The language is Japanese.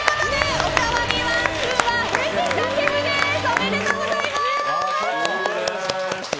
おめでとうございます！